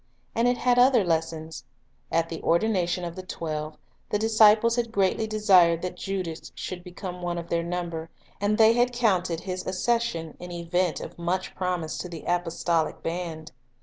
And it had other lessons. At the ordination of the twelve, the disciples had greatly desired that Judas should become one of their number ; and they had counted his accession an event of much promise to the apostolic band.